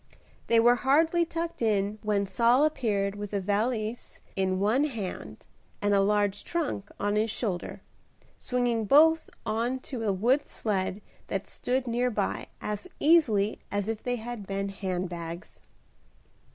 They were hardly tucked in when Saul appeared with a valise in one hand and a large trunk on his shoulder, swinging both on to a wood sled that stood near by as easily as if they had been hand bags.